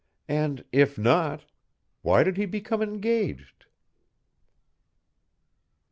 "And if not, why did he become engaged?"